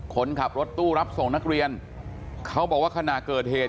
คนขับรถตู้รับส่งนักเรียนเขาบอกว่าขณะเกิดเหตุ